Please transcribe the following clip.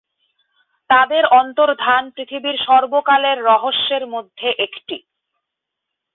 তাদের অন্তর্ধান পৃথিবীর সর্বকালের রহস্যের মধ্যে একটি।